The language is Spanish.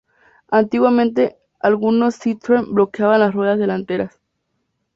Antiguamente algunos Citroën bloqueaban las ruedas delanteras.